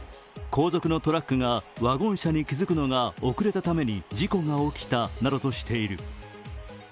後続のトラックがワゴン車に気づくのが遅れたために事故が起きたなどとしている。